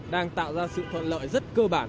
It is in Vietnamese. đang tạo ra sự thuận lợi rất cơ bản